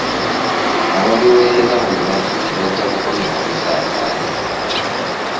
Ababibaweereza mu bibaddize bajja kukomya okubisaasaanya.